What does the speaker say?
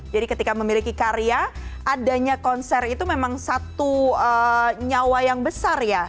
jadi ketika memiliki karya adanya konser itu memang satu nyawa yang besar ya